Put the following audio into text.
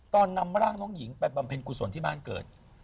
นำร่างน้องหญิงไปบำเพ็ญกุศลที่บ้านเกิด